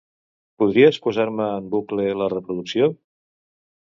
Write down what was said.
Podries posar-me en bucle la reproducció?